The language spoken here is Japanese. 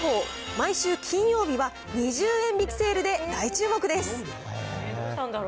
毎週金曜日は２０円引きセールで大注目です。